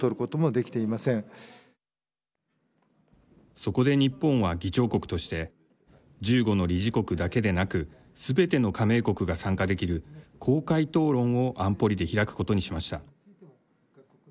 そこで日本は議長国として１５の理事国だけでなくすべての加盟国が参加できる公開討論を安保理で開くことにしました。